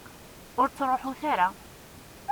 Ur ttruḥut ara.